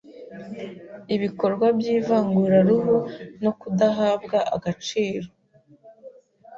Ibikorwa by’ivanguraruhu no kudahabwa agaciro